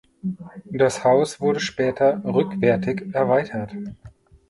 Das Haus wurde später rückwärtig erweitert.